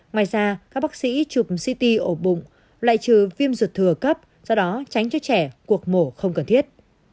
ngoài ra các bác sĩ chụp ct ổ bụng loại trừ viêm ruột thừa cấp do đó tránh cho trẻ cuộc mổ không cần thiết